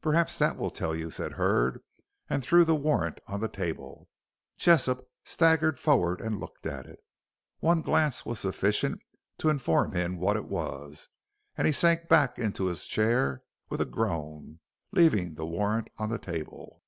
"Perhaps that will tell you," said Hurd, and threw the warrant on the table. Jessop staggered forward and looked at it. One glance was sufficient to inform him what it was, and he sank back into his chair with a groan, leaving the warrant on the table.